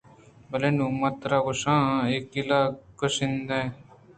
بلے نوں من ترا کُشان ءُ کِلّاں کُشندہ